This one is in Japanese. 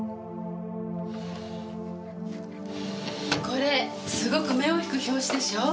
これすごく目を引く表紙でしょう？